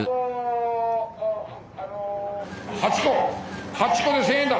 ８個８個で１，０００円だ。